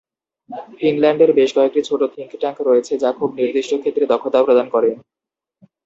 ফিনল্যান্ডের বেশ কয়েকটি ছোট থিঙ্ক ট্যাঙ্ক রয়েছে যা খুব নির্দিষ্ট ক্ষেত্রে দক্ষতা প্রদান করে।